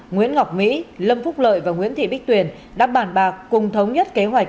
nguyễn ngọc mỹ lâm phúc lợi và nguyễn thị bích tuyền đã bản bạc cùng thống nhất kế hoạch